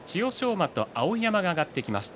馬と碧山が上がりました。